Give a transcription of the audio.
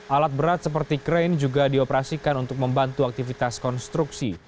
alat berat seperti krain juga dioperasikan untuk membantu aktivitas konstruksi